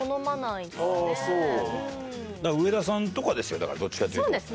上田さんとかですよだからどっちかっていうと。